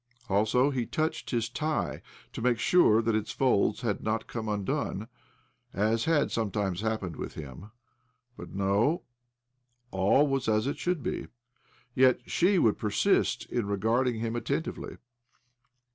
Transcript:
Also, he touched his tie, to make sure that its folds had not come undone, as had sometimes happened with him. But no — all was as it should be. lYet she would persist in regarding him atten tively.